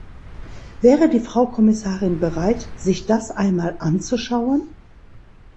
Wäre die Frau Kommissarin bereit, sich das einmal anzuschauen?